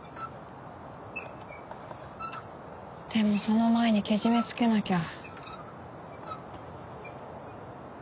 でもその前にけじめつけなきゃ。